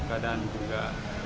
iya keadaan juga